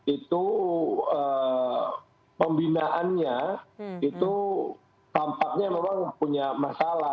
itu pembinaannya itu tampaknya memang punya masalah